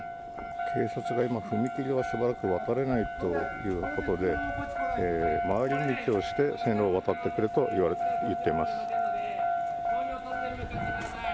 警察が今、踏切がしばらく渡れないということで、回り道をして線路を渡ってくれと言っています。